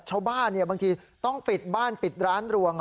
ชาวบ้านบางทีต้องปิดบ้านปิดร้านรวง